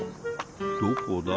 どこだ？